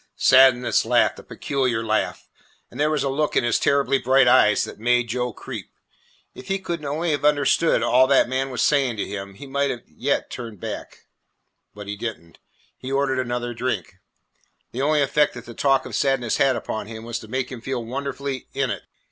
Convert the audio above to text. Sadness laughed a peculiar laugh, and there was a look in his terribly bright eyes that made Joe creep. If he could only have understood all that the man was saying to him, he might even yet have turned back. But he did n't. He ordered another drink. The only effect that the talk of Sadness had upon him was to make him feel wonderfully "in it."